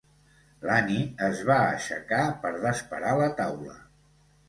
L'Annie es va aixecar per desparar la taula.